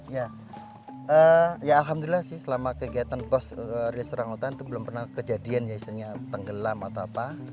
ya ya alhamdulillah sih selama kegiatan bos rilis orang utan itu belum pernah kejadian ya istilahnya tenggelam atau apa